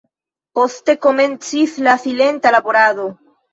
Poste komencis la silenta laborado.